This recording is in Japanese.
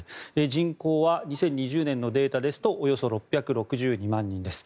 人口は２０２０年のデータですとおよそ６６２万人です。